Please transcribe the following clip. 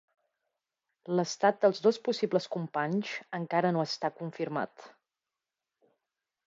L'estat dels dos possibles companys encara no està confirmat.